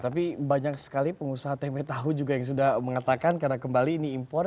tapi banyak sekali pengusaha tempe tahu juga yang sudah mengatakan karena kembali ini impor